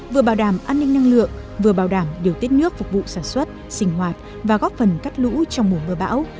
vừa bảo đảm an ninh năng lượng vừa bảo đảm điều tiết nước phục vụ sản xuất sinh hoạt và góp phần cắt lũ trong mùa mưa bão